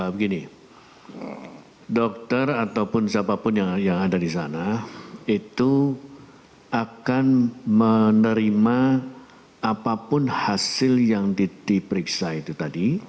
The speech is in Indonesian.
begini dokter ataupun siapapun yang ada di sana itu akan menerima apapun hasil yang diperiksa itu tadi